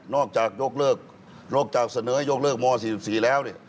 นอกจากเสนอให้ยกเลิกม๔๔แล้ว